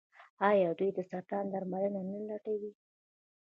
آیا دوی د سرطان درملنه نه لټوي؟